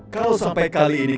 kalau sampai kali ini